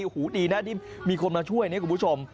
โอ้โหดีนะที่มีคนมาช่วยเนี่ยคุณผู้ชม